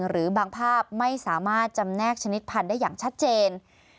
หรือบางภาพไม่สามารถจำแนกชนิดพันธุ์ได้อย่างชัดเจน